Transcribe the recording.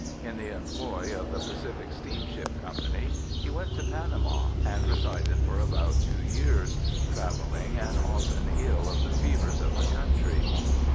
In the employ of the Pacific Steamship Company he went to Panama and resided for about two years, travelling, and often ill of the fevers of the country.